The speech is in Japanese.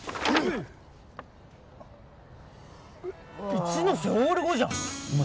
一ノ瀬オール５じゃんお前